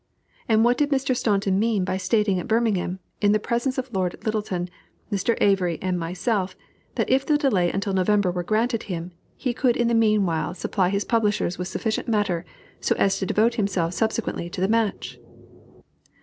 And what did Mr. Staunton mean by stating at Birmingham, in the presence of Lord Lyttelton, Mr. Avery, and myself, that if the delay until November were granted him, he could in the mean while supply his publishers with sufficient matter, so as to devote himself subsequently to the match?